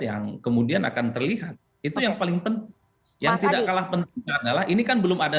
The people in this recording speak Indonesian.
yang kemudian akan terlihat itu yang paling penting yang tidak kalah penting adalah ini kan belum ada